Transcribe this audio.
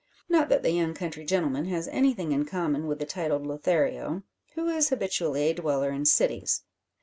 Not that the young country gentleman has anything in common with the titled Lothario, who is habitually a dweller in cities.